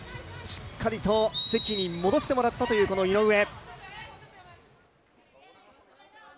しっかりと関に戻してもらったという、この井上。